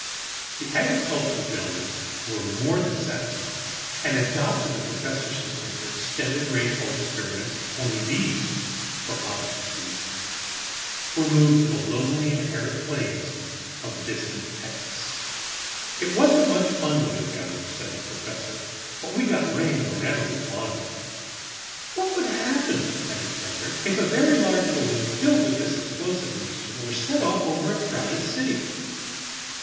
The Agricultural gentlemen were more than satisfied, and adopted the professor's system for extended rainfall experiments only these (for obvious reasons) were removed to the lonely and arid plains of distant Texas. "It wasn't much fun living down there," said the professor; "but we got rain whenever we wanted it." "What would happen," I inquired, "if a very large balloon filled with this explosive mixture were set off over a crowded city?"